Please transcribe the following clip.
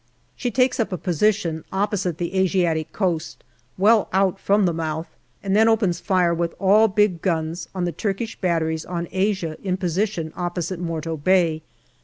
She takes up a position opposite the Asiatic coast, well out from the mouth, and then opens fire with all big guns on the Turkish batteries on Asia in position opposite Morto Bay.